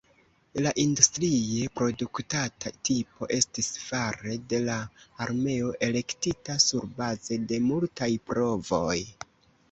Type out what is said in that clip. La industrie produktata tipo estis fare de la armeo elektita surbaze de multaj provoj.